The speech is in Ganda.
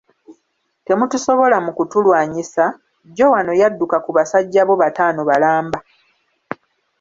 Temutusobola mu kutulwanyisa, jjo wano yadduka ku basajja bo bataano balamba.